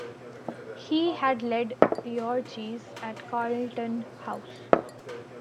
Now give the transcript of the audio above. He had led the orgies at Carlton House.